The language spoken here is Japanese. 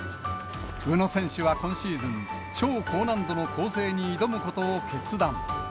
宇野選手は今シーズン、超高難度の構成に挑むことを決断。